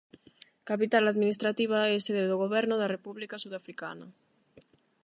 Capital administrativa e sede do goberno da República Surafricana.